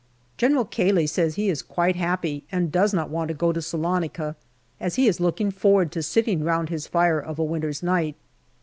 General Cayley says he is quite happy and does not want to go to Salonica, as he is looking forward to sitting round his fire of a winter's night.